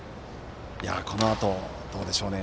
このあと、どうでしょうね。